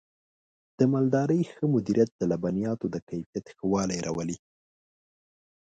د مالدارۍ ښه مدیریت د لبنیاتو د کیفیت ښه والی راولي.